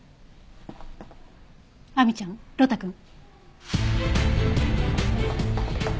亜美ちゃん呂太くん。